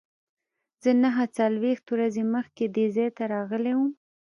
زه نهه څلوېښت ورځې مخکې دې ځای ته راغلی وم.